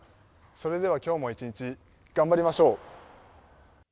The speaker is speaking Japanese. それでは、今日も一日頑張りましょう。